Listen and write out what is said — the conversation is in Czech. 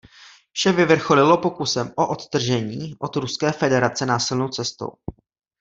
Vše vyvrcholilo pokusem o odtržení od Ruské federace násilnou cestou.